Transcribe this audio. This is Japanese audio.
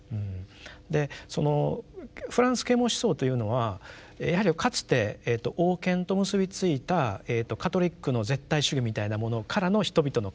でそのフランス啓蒙思想というのはやはりかつて王権と結びついたカトリックの絶対主義みたいなものからの人々の解放